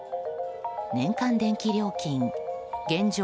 年間電気料金現状